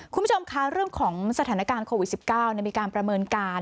คุณผู้ชมคะเรื่องของสถานการณ์โควิด๑๙มีการประเมินการ